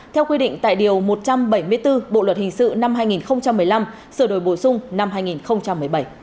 theo quy định tại điều một trăm bảy mươi bốn bộ luật hình sự năm hai nghìn một mươi năm sửa đổi bổ sung năm hai nghìn một mươi bảy